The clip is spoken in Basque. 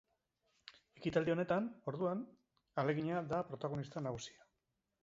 Ekitaldi honetan, orduan, ahalegina da protagonista nagusia.